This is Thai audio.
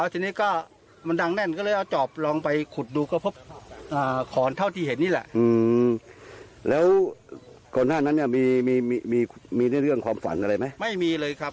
พี่มงคลยังบอกอีกว่าต้นตะเคียนท่อนี้นะยาว๑๗๑๘เมตรนะครับ